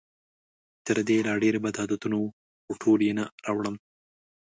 تر دې لا ډېر بد عادتونه وو، خو ټول یې نه راوړم.